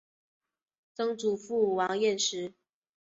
曾祖父王彦实。